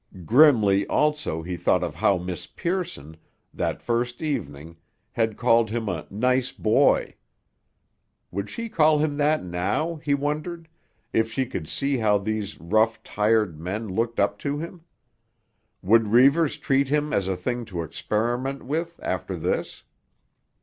Grimly also he thought of how Miss Pearson, that first evening, had called him a "nice boy." Would she call him that now, he wondered, if she could see how these rough, tired men looked up to him? Would Reivers treat him as a thing to experiment with after this?